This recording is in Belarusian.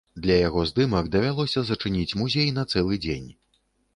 Для яго здымак давялося зачыніць музей на цэлы дзень.